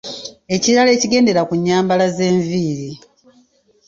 Ekirala ekigendera ku nnyambala ze nviiri.